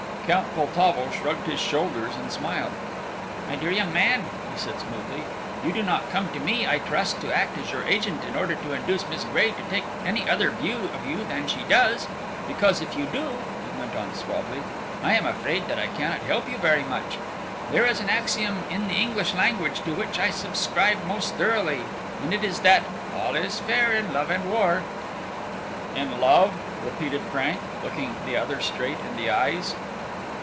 Count Poltavo shrugged his shoulders and smiled. "My dear young man," he said, smoothly, "you do not come to me, I trust, to act as your agent in order to induce Miss Gray to take any other view of you than she does. Because if you do," he went on suavely, "I am afraid that I cannot help you very much. There is an axiom in the English language to which I subscribe most thoroughly, and it is that 'all is fair in love and war.'" "In love?" repeated Frank, looking the other straight in the eyes.